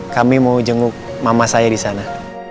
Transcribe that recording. kami mau jenguk mama saya disana